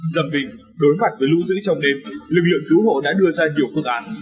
dầm bình đối mặt với lũ dưỡng trong đêm lực lượng cứu hộ đã đưa ra nhiều phương án